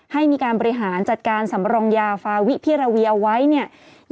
ให้มีการบริหารจัดการสำรองยาฟาวิพิราเวียเอาไว้เนี่ย